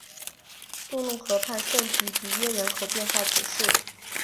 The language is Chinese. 杜龙河畔圣迪迪耶人口变化图示